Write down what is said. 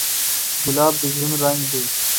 ګلاب د ژوند رنګ دی.